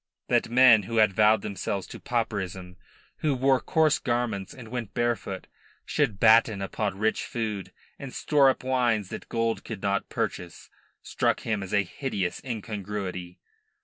That men who had vowed themselves to pauperism, who wore coarse garments and went barefoot, should batten upon rich food and store up wines that gold could not purchase, struck him as a hideous incongruity.